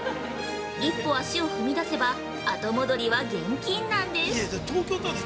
一歩足を踏み出せば後戻りは厳禁なんです。